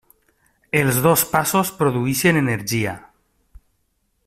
Els dos passos produeixen energia.